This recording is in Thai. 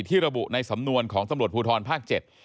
ระบุในสำนวนของตำรวจภูทรภาค๗